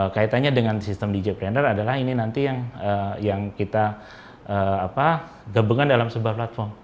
kaitannya dengan sistem dj planner adalah ini nanti yang kita gabungkan dalam sebuah platform